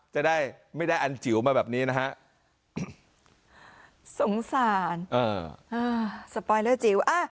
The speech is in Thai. จะได้ไม่ได้อันจิ๋วมาแบบนี้นะฮะสงสารสปอยเลอร์จิ๋วอ่ะ